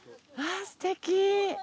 すてき。